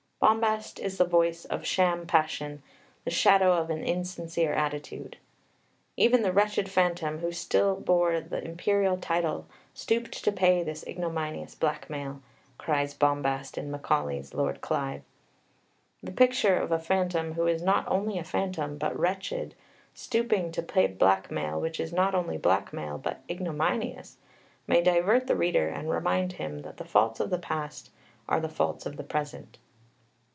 Bombast is the voice of sham passion, the shadow of an insincere attitude. "Even the wretched phantom who still bore the imperial title stooped to pay this ignominious blackmail," cries bombast in Macaulay's Lord Clive. The picture of a phantom who is not only a phantom but wretched, stooping to pay blackmail which is not only blackmail but ignominious, may divert the reader and remind him that the faults of the past are the faults of the present.